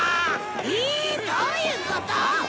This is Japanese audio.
ええどういうこと？